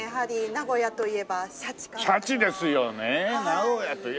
名古屋といえばシャチですよね。